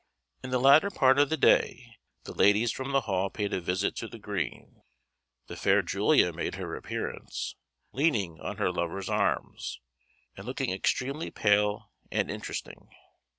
In the latter part of the day the ladies from the Hall paid a visit to the green. The fair Julia made her appearance, leaning on her lover's arm, and looking extremely pale and interesting.